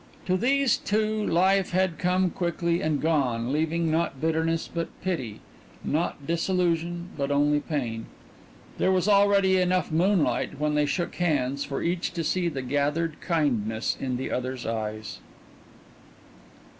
To these two life had come quickly and gone, leaving not bitterness, but pity; not disillusion, but only pain. There was already enough moonlight when they shook hands for each to see the gathered kindness in the other's eyes.